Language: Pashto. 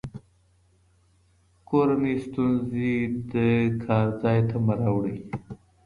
کورني ستونزې د کار ځای ته مه راوړئ.